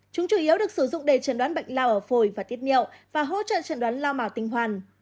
chúng chủ yếu được sử dụng để trận đoán bệnh lao ở phồi và tiết miệng và hỗ trợ trận đoán lao màu tinh hoàn